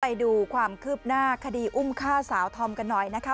ไปดูความคืบหน้าคดีอุ้มฆ่าสาวธอมกันหน่อยนะคะ